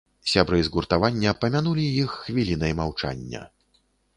Сябры згуртавання памянулі іх хвілінай маўчання.